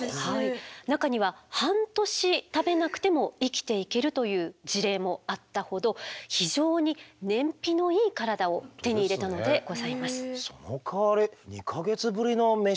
中には半年食べなくても生きていけるという事例もあったほど非常に燃費のいい体を手に入れたのでございます。